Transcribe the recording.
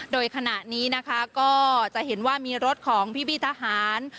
โดยขณะนี้นะคะก็จะเห็นว่ามีรถของพี่ทหาร